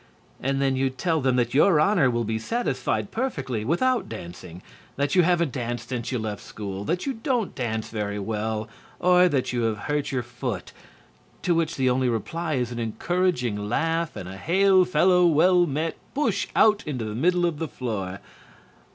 And then you tell them that your honor will be satisfied perfectly without dancing, that you haven't danced since you left school, that you don't dance very well, or that you have hurt your foot; to which the only reply is an encouraging laugh and a hail fellow well met push out into the middle of the floor.